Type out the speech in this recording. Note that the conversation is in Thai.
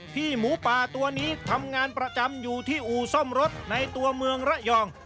หมูป่าตัวนี้ทำงานประจำอยู่ที่อู่ซ่อมรถในตัวเมืองระยอง